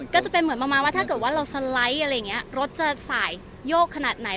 ก็จะเป็นเหมือนแบบว่าถ้าเราสไลด์รถจะสายโยกขนาดไหน